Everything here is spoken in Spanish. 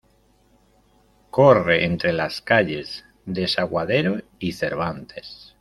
Corre entre las calles Desaguadero y Cervantes.